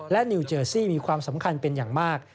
และนิวเจอร์ซี่มีความสำคัญเป็นอย่างมาก